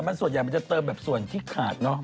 มันส่วนใหญ่มันจะเติมแบบส่วนที่ขาดเนอะ